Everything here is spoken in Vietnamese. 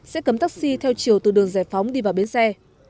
sẽ cấm taxi theo chiều từ đường giải phóng đi vào bến xe